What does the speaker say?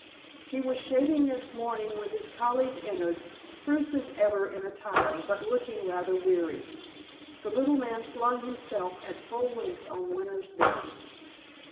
He was shaving next morning when his colleague entered, spruce as ever in attire, but looking rather weary. The little man flung himself at full length on Winter's bed.